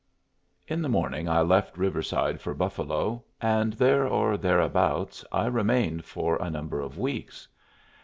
In the morning I left Riverside for Buffalo, and there or thereabouts I remained for a number of weeks.